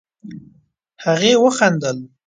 هغې وخندل.